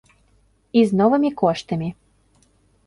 І з новымі коштамі.